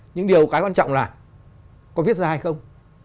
nhưng điều cái quan trọng là có viết ra hay không